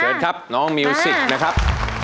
เชิญครับน้องมิวสิกนะครับ